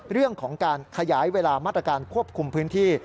เรื่องของการขยายเวลามาตรการควบคุมพื้นที่